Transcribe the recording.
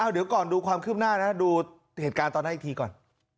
เดี๋ยวก่อนดูความคืบหน้านะดูเหตุการณ์ตอนนั้นอีกทีก่อน